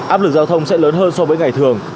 áp lực giao thông sẽ lớn hơn so với ngày thường